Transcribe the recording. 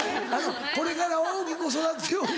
これから大きく育つように。